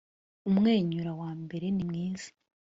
Umwenyura wa mbere ni mwiza